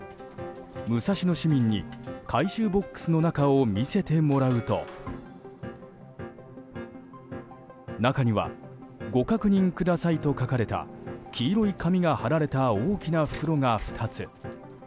武蔵野市民に、回収ボックスの中を見せてもらうと中にはご確認くださいと書かれた黄色い紙が貼られた大きな袋が２つ。